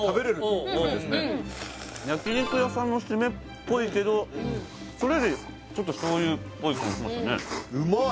焼き肉屋さんのシメっぽいけどそれよりちょっと醤油っぽい感じしますねうまい！